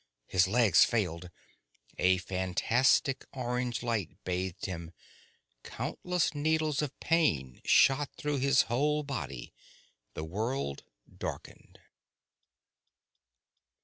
His legs failed. A fantastic orange light bathed him, countless needles of pain shot through his whole body, the world darkened.